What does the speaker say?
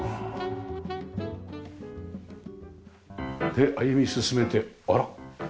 で歩み進めてあら？